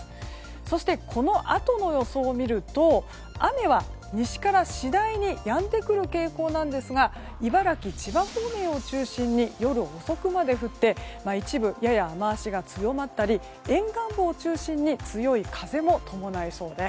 そして、このあとの予想を見ると雨は西から次第にやんでくる傾向なんですが茨城、千葉方面を中心に夜遅くまで降って一部やや雨脚が強まったり沿岸部を中心に強い風も伴いそうです。